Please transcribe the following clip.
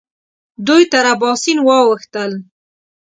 دوی تر اباسین واوښتل.